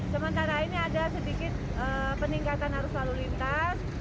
sementara ini ada sedikit peningkatan arus lalu lintas